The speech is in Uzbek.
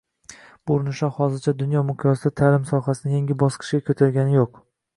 Bu urinishlar hozircha dunyo miqyosida ta’lim sohasini yangi bosqichga ko‘targani yo‘q